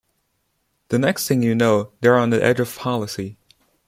The next thing you know, they're on the edge of policy.